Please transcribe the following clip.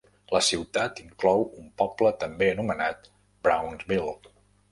La ciutat inclou un poble també anomenat Brownville.